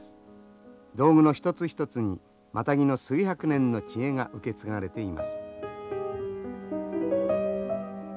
道具の一つ一つにマタギの数百年の知恵が受け継がれています。